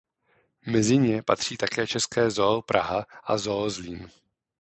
Mezi ně patří také české Zoo Praha a Zoo Zlín.